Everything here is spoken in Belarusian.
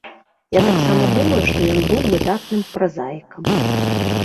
Я таксама думаю, што ён быў выдатным празаікам.